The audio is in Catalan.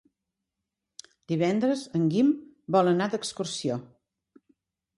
Divendres en Guim vol anar d'excursió.